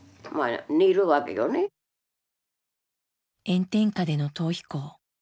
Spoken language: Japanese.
炎天下での逃避行。